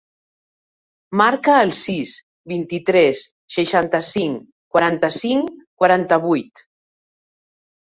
Marca el sis, vint-i-tres, seixanta-cinc, quaranta-cinc, quaranta-vuit.